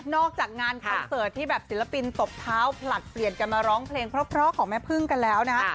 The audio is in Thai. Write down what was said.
จากงานคอนเสิร์ตที่แบบศิลปินตบเท้าผลัดเปลี่ยนกันมาร้องเพลงเพราะของแม่พึ่งกันแล้วนะฮะ